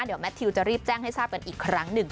เดี๋ยวแมททิวจะรีบแจ้งให้ทราบกันอีกครั้งหนึ่ง